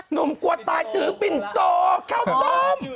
หนูกลัวตายถือปิ่นโตข้าวต้ม